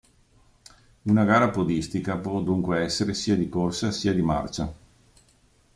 Una "gara podistica" può dunque essere sia di corsa sia di marcia.